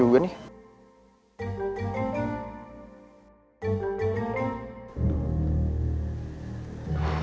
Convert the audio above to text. ultrakara dia ga percaya nih